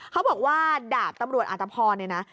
เขาบอกว่าดาบตำรวจอัตภพรเนี่ยนะ